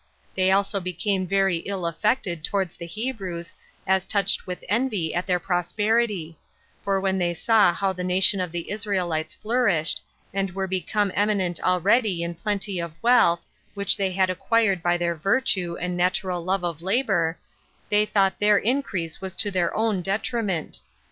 They also became very ill affected towards the Hebrews, as touched with envy at their prosperity; for when they saw how the nation of the Israelites flourished, and were become eminent already in plenty of wealth, which they had acquired by their virtue and natural love of labor, they thought their increase was to their own detriment.